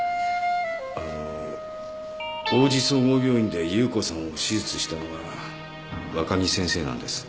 あの大路総合病院で夕子さんを手術したのが若木先生なんです。